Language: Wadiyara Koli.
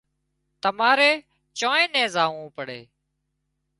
تماري چانئين نين زاوون پڙي